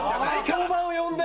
評判を呼んで。